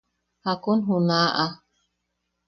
–¿Jakun junaʼa?